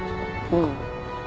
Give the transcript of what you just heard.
うん。